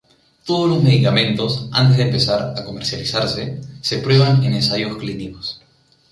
Todos los medicamentos antes de empezar a comercializarse se prueban en ensayos clínicos.